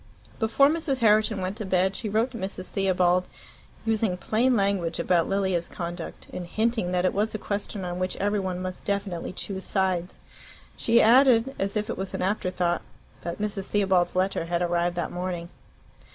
Before Mrs. Herriton went to bed she wrote to Mrs. Theobald, using plain language about Lilia's conduct, and hinting that it was a question on which every one must definitely choose sides. She added, as if it was an afterthought, that Mrs. Theobald's letter had arrived that morning.